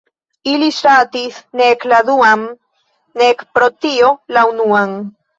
Ili ŝatis nek la duan, nek pro tio la unuan.